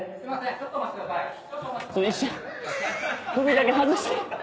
一瞬首だけ外して。